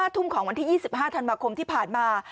ทุ่มของวันที่๒๕ธันวาคมที่ผ่านมา